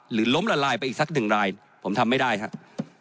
ล้มละลายไปอีกสักหนึ่งรายผมทำไม่ได้ครับ